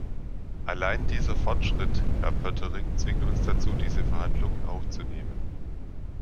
Allein dieser Fortschritt, Herr Poettering, zwingt uns dazu, diese Verhandlungen aufzunehmen.